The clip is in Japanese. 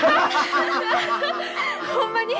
ほんまに？